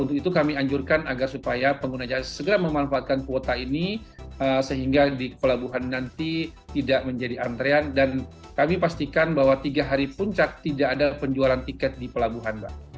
untuk itu kami anjurkan agar supaya pengguna jasa segera memanfaatkan kuota ini sehingga di pelabuhan nanti tidak menjadi antrean dan kami pastikan bahwa tiga hari puncak tidak ada penjualan tiket di pelabuhan mbak